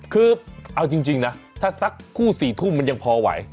คือเอาจริงนะถ้าสักคู่๔ทุ่มมันยังพอไหว